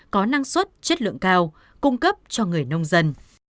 có năng suất chất lượng cao cung cấp cho người nông dân